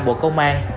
bộ công an